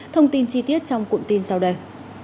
thông tin chi tiết trong cuộn tin sau đây